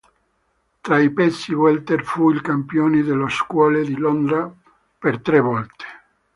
Tra i pesi welter, fu il campione delle scuole di Londra per tre volte.